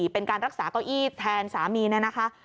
เป็นการรักษาเก้าอี้แทนสามีเนี่ยนะคะ